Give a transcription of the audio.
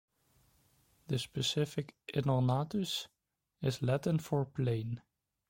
The specific "inornatus" is Latin for "plain".